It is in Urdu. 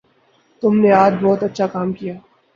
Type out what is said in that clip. تم نے آج بہت اچھا کام کیا